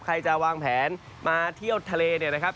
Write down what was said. ใครจะวางแผนมาเที่ยวทะเลเนี่ยนะครับ